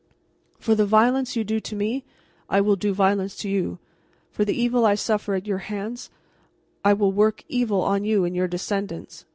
'For the violence you do to me, I will do violence to you. For the evil I suffer at your hands, I will work evil on you and your descendants.